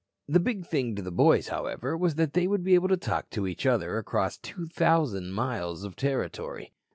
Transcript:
The big thing to the boys, however, was that they would be able to talk to each other across 2,000 miles of territory.